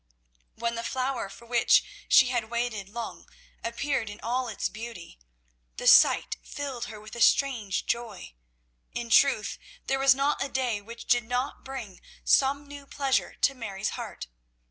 When the flower for which she had waited long appeared in all its beauty, the sight filled her with a strange joy. In truth, there was not a day which did not bring some new pleasure to Mary's heart.